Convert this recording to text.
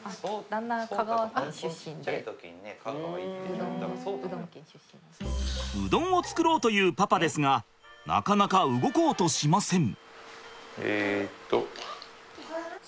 じゃあ聡太うどんを作ろうというパパですがなかなか動こうとしません。